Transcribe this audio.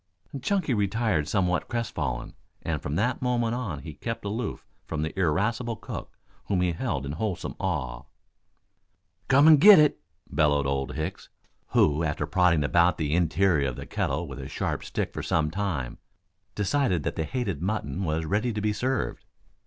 Chunky retired somewhat crestfallen, and from that moment on he kept aloof from the irascible cook, whom he held in wholesome awe. "Come and get it!" bellowed Old Hicks, who, after prodding about the interior of the kettle with a sharp stick for some time, decided that the hated mutton was ready to be served.